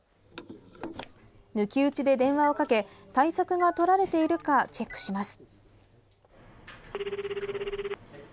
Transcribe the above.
抜き打ちで電話をかけ対策がとられているかチェックします。